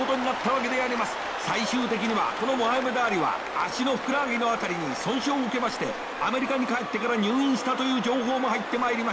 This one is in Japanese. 最終的にはこのモハメド・アリは足のふくらはぎの辺りに損傷を受けましてアメリカに帰ってから入院したという情報も入ってまいりました。